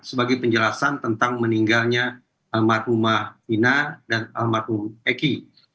sebagai penjelasan tentang meninggalnya almarhumah ina dan almarhum eki